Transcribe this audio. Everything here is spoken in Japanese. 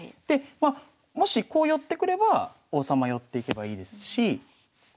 でまあもしこう寄ってくれば王様寄っていけばいいですし。